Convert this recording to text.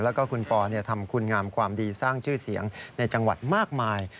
แล้วก็คุณปอทำคุณงามความดีสร้างชื่อเสียงในจังหวัดมากมาย